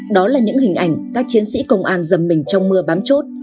đó là những hình ảnh các chiến sĩ công an dầm mình trong mưa bám chốt